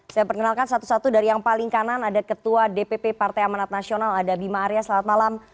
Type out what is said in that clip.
saya perkenalkan satu satu dari yang paling kanan ada ketua dpp partai amanat nasional ada bima arya selamat malam